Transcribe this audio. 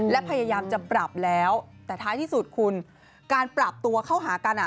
และพยายามจะปรับแล้วแต่ท้ายที่สุดคุณการปรับตัวเข้าหากัน